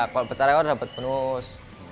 kalau becara saya dapat bonus